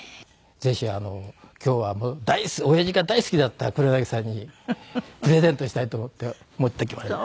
ぜひ今日は親父が大好きだった黒柳さんにプレゼントしたいと思って持ってきました。